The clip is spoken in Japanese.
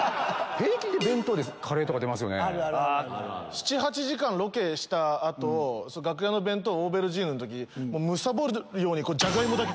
７８時間ロケした後楽屋の弁当オーベルジーヌの時むさぼるように。